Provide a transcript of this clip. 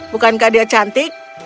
bukankah dia cantik